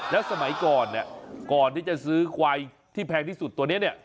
แล้วสมัยก่อนเนี่ยก่อนที่จะซื้อควายที่แพงที่สุดตัวนี้เนี่ย